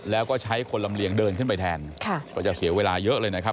แล้วก็ใช้คนลำเลียงเดินขึ้นไปแทนค่ะก็จะเสียเวลาเยอะเลยนะครับ